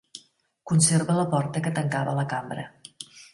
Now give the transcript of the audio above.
Conserva la porta que tancava la cambra.